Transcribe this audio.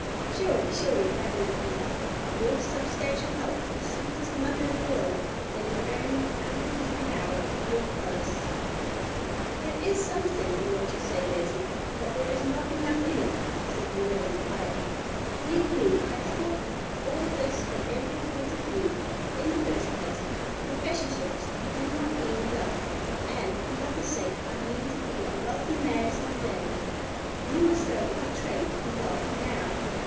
Surely, surely, that would be a more substantial help to the sweetest mother in the world than your earning a pound a week now at Lee & Forrest's." "There is something in what you say, Leslie; but there is not enough in it," said Llewellyn quietly. "Believe me, I have thought of all this from every point of view. In the first place, professorships do not mean wealth, and, for mother's sake, I mean to be a wealthy man some day. You must go into trade to be wealthy now.